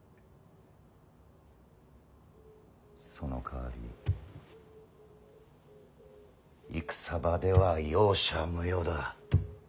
そのかわり戦場では容赦無用だ。